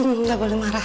enggak boleh marah